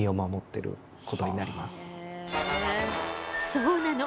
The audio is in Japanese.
そうなの！